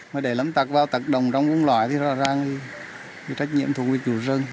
mà để lắm tạc vào tạc động trong vùng loại thì rõ ràng thì trách nhiệm thuộc về chủ rừng